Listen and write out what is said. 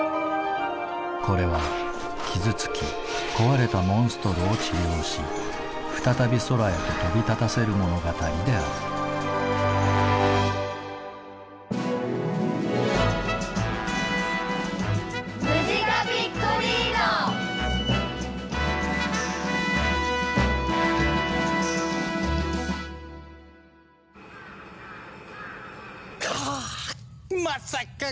これは傷つき壊れたモンストロを治療し再び空へと飛び立たせる物語であるかぁっまさか